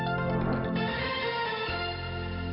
หนูก็เขาจ่ายไปแล้วค่ะเดินไปอีกบ้าน